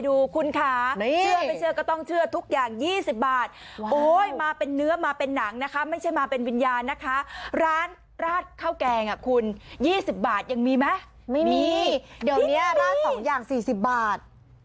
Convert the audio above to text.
ที่นี่ที่นี่ราดสองอย่างยี่สิบห้าบาทเองคุณค่ะสุดยอด